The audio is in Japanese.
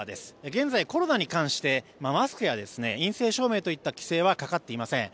現在、コロナに関してマスクや陰性証明といった規制はかかっていません。